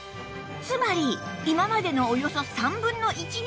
つまり今までのおよそ３分の１に節水